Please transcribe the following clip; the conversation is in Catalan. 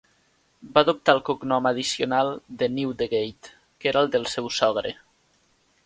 Va adoptar el cognom addicional de Newdegate, que era el del seu sogre.